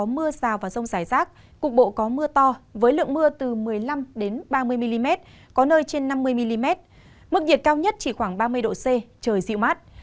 mức nhiệt cao nhất chỉ khoảng ba mươi độ c trời dịu mát